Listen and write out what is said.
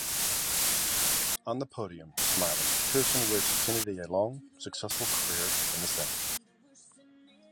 On the podium, smiling, Pearson wished Kennedy a long, successful career in the Senate.